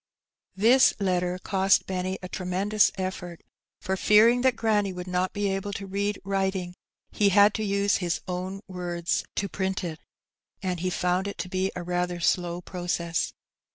This letter 198 Hee Benny. cost Benny a tremendous effort, for, fearing that granny wonld not be able to read writing, he had, to use his own words, ''to print it," and he found it to be a rather dew process.